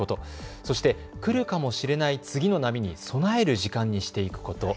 そして来るかもしれない次の波に備える時間にしていくこと。